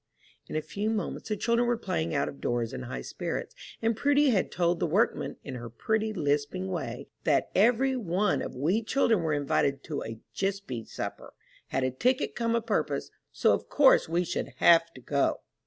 In a few moments the children were playing out of doors in high spirits, and Prudy had told the workmen, in her pretty, lisping way, "that every one of we children were invited to a jispy supper; had a ticket come a purpose, so of course we should have to go!"